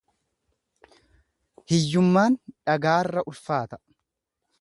Hiyyummaan dhagaarra ulfaata.